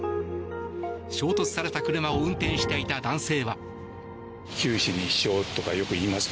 衝突された車を運転していた男性は。